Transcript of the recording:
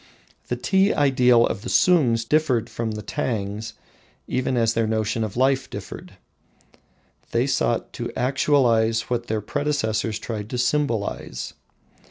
The tea ideal of the Sungs differed from the Tangs even as their notion of life differed. They sought to actualize what their predecessors tried to symbolise.